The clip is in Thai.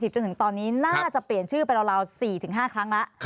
จนถึงตอนนี้น่าจะเปลี่ยนชื่อไปราว๔๕ครั้งแล้ว